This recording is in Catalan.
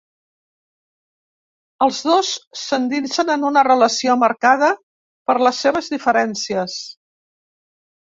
Els dos s’endinsen en una relació marcada per les seves diferències.